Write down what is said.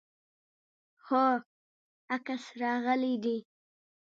هو، عکس راغلی دی